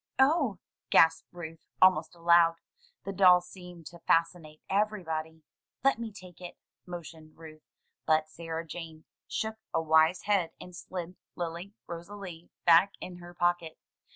"Oh!" gasped Ruth, almost aloud. The doll seemed to fascinate everybody. "Let me take it," motioned Ruth; but Sarah Jane shook a wise head, and slid Lily Rosalie back in her pocket.